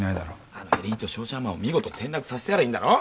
あのエリート商社マンを見事転落させてやりゃいいんだろ？